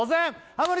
ハモリ